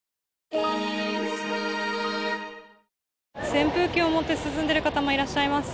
扇風機を持って涼んでいる方もいらっしゃいます。